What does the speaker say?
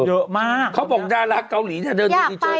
เยอะมากเธอบอกดาลักเกาหลีไปเดินเยอะ